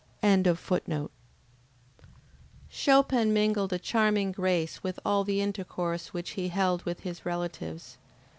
] Chopin mingled a charming grace with all the intercourse which he held with his relatives.